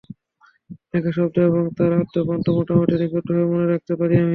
লেখা শব্দ এবং তার আদ্যোপান্ত মোটামুটি নিখুঁতভাবে মনে রাখতে পারি আমি।